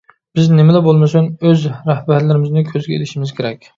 بىز نېمىلا بولمىسۇن ئۆز رەھبەرلىرىمىزنى كۆزگە ئىلىشىمىز كېرەك!